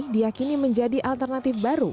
diakini menjadi alternatif baru